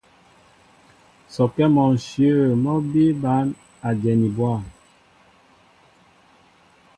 Sɔkɛ́ mɔ ǹshyə̂ mɔ́ bíí bǎn a dyɛni bwâm.